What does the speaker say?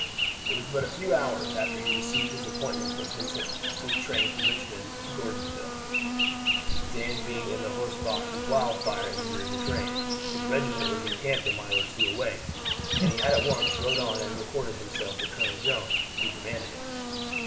It was but a few hours after he received his appointment that Vincent took train from Richmond to Gordonsville, Dan being in the horse box with Wildfire in the rear of the train. His regiment was encamped a mile or two away, and he at once rode on and reported himself to Colonel Jones, who commanded it.